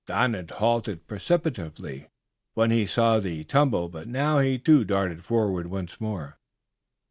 Don had halted precipitately, when he saw the tumble, but now he too darted forward once more.